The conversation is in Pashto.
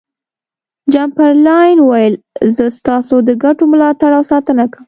چمبرلاین وویل زه ستاسو د ګټو ملاتړ او ساتنه کوم.